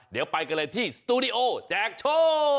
เดี๋ยวไปกันเลยที่สตูดิโอแจกโชว์